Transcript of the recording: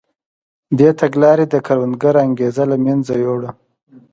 دې تګلارې د کروندګر انګېزه له منځه یووړه.